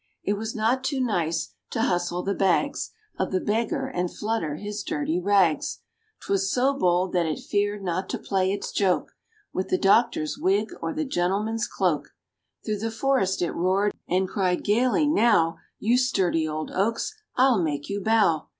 It was not too nice to hustle the bags Of the beggar, and flutter his dirty rags; 'Twas so bold that it feared not to play its joke With the doctor's wig, or the gentleman's cloak. Through the forest it roared, and cried gaily, "Now, You sturdy old oaks, I'll make you bow!"